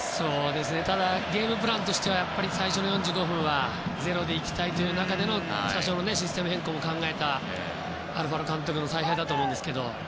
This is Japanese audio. ただゲームプランとしては最初の４５分はゼロで行きたい中での多少のシステム変更を考えたアルファロ監督の采配だと思いますけど。